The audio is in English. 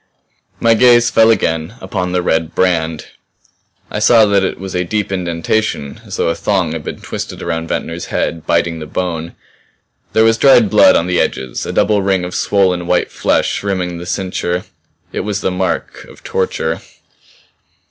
My gaze fell again upon the red brand. I saw that it was a deep indentation as though a thong had been twisted around Ventnor's head biting the bone. There was dried blood on the edges, a double ring of swollen white flesh rimming the cincture. It was the mark of torture!